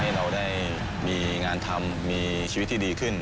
เราได้มีงานทำมีชีวิตที่ดีขึ้น